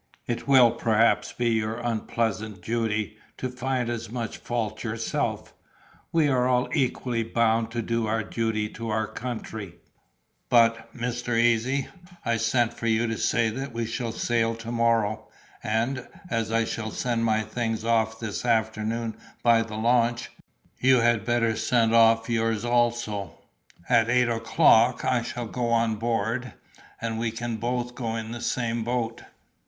"It will perhaps be your unpleasant duty to find as much fault yourself; we are all equally bound to do our duty to our country. But, Mr. Easy, I sent for you to say that we shall sail to morrow; and, as I shall send my things off this afternoon by the launch, you had better send yours off also. At eight o'clock I shall go on board, and we can both go in the same boat."